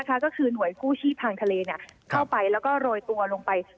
ก็คือหน่วยกู้ชีพทางทะเลเข้าไปแล้วก็โรยตัวลงไป